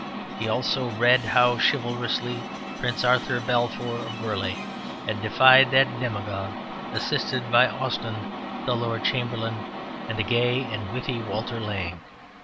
He also read how chivalrously Prince Arthur Balfour of Burleigh had defied that demagogue, assisted by Austen the Lord Chamberlain and the gay and witty Walter Lang.